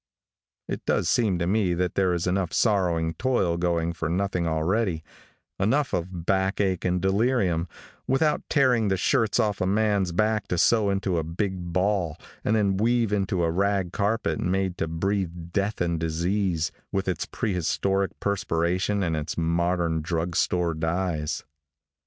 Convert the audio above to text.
It does seem to me that there is enough sorrowing toil going for nothing already; enough of back ache and delirium, without tearing the shirts off a man's back to sew into a big ball, and then weave into a rag carpet made to breathe death and disease, with its prehistoric perspiration and its modern drug store dyes.